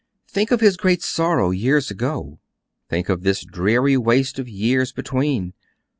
Think of his great sorrow years ago. Think of this dreary waste of years between.